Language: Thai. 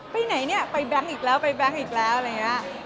ไปไหนเนี่ยไปแบงค์อีกแล้วไปแบงค์อีกแล้วอะไรอย่างนี้